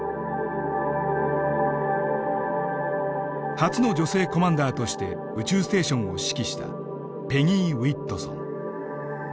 初の女性コマンダーとして宇宙ステーションを指揮したペギー・ウィットソン。